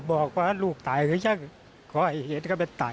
หล่อสู่พู่ลูกแล้วครับแล้วก็มีบิถึกเข้าไปใส่